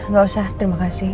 gak usah terima kasih